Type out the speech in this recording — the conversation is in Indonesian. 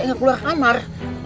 enggak keluar kamar